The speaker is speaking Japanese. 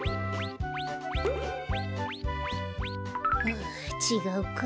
あちがうか。